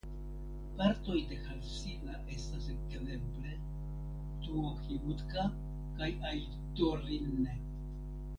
Partoj de Halssila estas ekzemple Tuohimutka kaj Aittorinne.